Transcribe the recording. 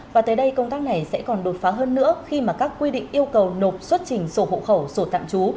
và tới đây công tác này sẽ còn đột phá hơn nữa khi mà các quy định yêu cầu nộp xuất trình sổ hộ khẩu sổ tạm trú